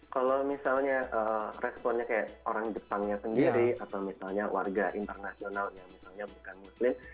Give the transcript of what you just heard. kalau misalnya responnya kayak orang jepangnya sendiri atau misalnya warga internasional yang misalnya bukan muslim